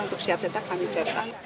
untuk siap cetak kami cetak